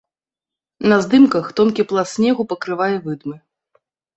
На здымках тонкі пласт снегу пакрывае выдмы.